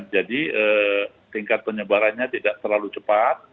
jadi tingkat penyebarannya tidak terlalu cepat